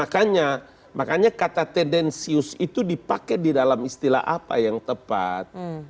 makanya makanya kata tendensius itu dipakai di dalam istilah apa yang tepat